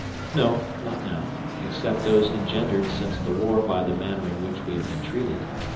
"No, not now, except those engendered since the war by the manner in which we have been treated.